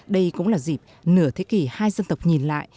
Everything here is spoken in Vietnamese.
đây cũng là dịp nửa thế kỷ hai dân tộc nhìn lại